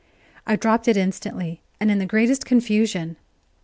I dropped it instantly in the greatest confusion.